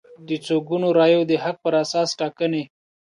د څو ګونو رایو د حق پر اساس ټاکنې